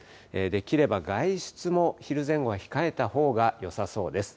できれば外出も、昼前後は控えたほうがよさそうです。